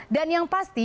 dan yang pasti